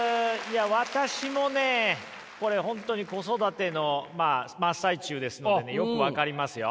私もねこれ本当に子育てのまあ真っ最中ですのでねよく分かりますよ。